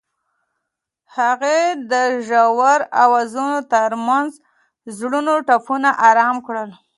هغې د ژور اوازونو ترڅنګ د زړونو ټپونه آرام کړل.